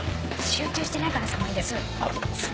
集中してないから寒いんです。